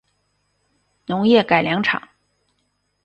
农业改良场